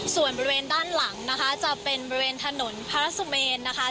ส่วนบริเวณด้านหลังนะคะจะเป็นบริเวณถนนพระสุเมนนะคะ